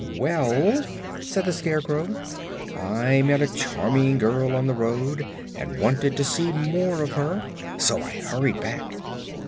"Well," said the Scarecrow, "I met a charming girl on the road and wanted to see more of her, so I hurried back."